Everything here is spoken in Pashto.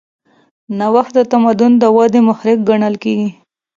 نوښت د تمدن د ودې محرک ګڼل کېږي.